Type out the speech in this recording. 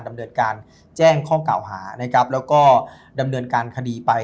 ดำเนินการแจ้งข้อกล่าวหานะครับแล้วก็ดำเนินการคดีไป